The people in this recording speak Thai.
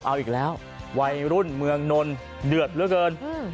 เอาอีกแล้ววัยรุ่นเมืองนนเดือดเหลือเกิน